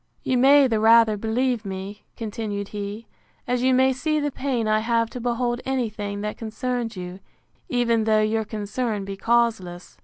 You may the rather believe me, continued he, as you may see the pain I have to behold any thing that concerns you, even though your concern be causeless.